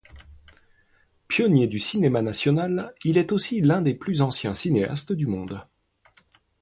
Pionnier du cinéma national, il est aussi l'un des plus anciens cinéastes du monde.